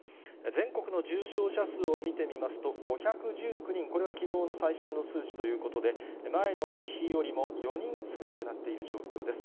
全国の重症者数を見てみますと、５１９人、これはきのうの最新の数値ということで、前の日よりも４人少なくなっている状況です。